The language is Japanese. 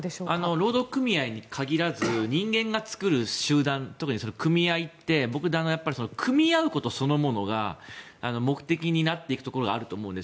労働組合に限らず人間が作る集団特に組合って僕、組み合うことそのものが目的になっていくところがあると思うんです。